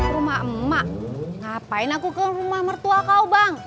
rumah emak ngapain aku ke rumah mertua kau bang